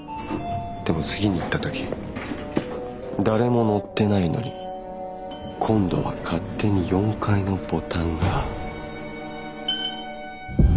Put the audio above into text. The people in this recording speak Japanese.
でも次に行った時誰も乗ってないのに今度は勝手に４階のボタンが。